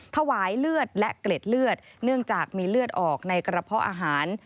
ถวายเลือดและเกล็ดเลือดเนื่องจากมีเลือดออกในกระเพาะอาหาร